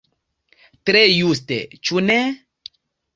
Tre juste, ĉu ne?